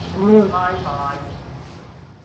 拜拜